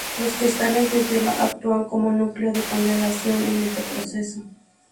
Los cristales de hielo actúan como núcleo de condensación en este proceso.